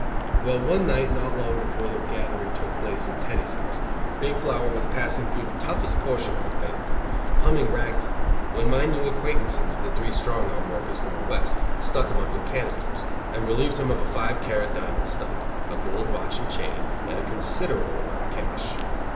Well, one night not long before the gathering took place in Teddy's house, Big Flower was passing through the toughest portion of his bailiwick, humming ragtime, when my new acquaintances, the three strong arm workers from the West, stuck him up with cannisters, and relieved him of a five carat diamond stud, a gold watch and chain and a considerable amount of cash.